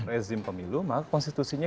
rezim pemilu maka konstitusinya